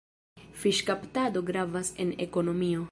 Fiŝkaptado gravas en ekonomio.